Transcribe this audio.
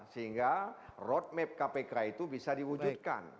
sehingga roadmap kpk itu bisa diwujudkan